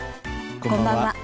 こんばんは。